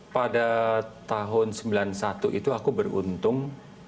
pada tahun seribu sembilan ratus sembilan puluh satu itu aku beruntung